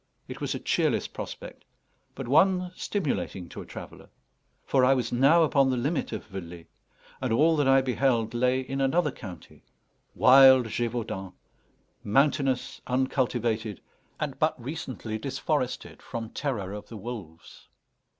It was a cheerless prospect, but one stimulating to a traveller. For I was now upon the limit of Velay, and all that I beheld lay in another county wild Gévaudan, mountainous, uncultivated, and but recently disforested from terror of the wolves.